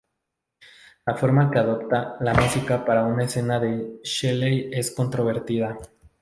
La forma que adopta "la Música para una escena de Shelley" es controvertida.